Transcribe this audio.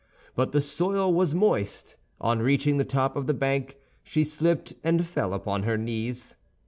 But the soil was moist; on reaching the top of the bank, she slipped and fell upon her knees.